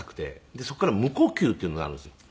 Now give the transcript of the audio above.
でそこから無呼吸っていうのになるんですよ。